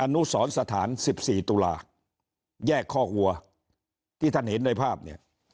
อนุสรสถาน๑๔ตุลาแยกคอกวัวที่ท่านเห็นในภาพเนี่ย